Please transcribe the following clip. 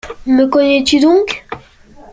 Me connais-tu donc?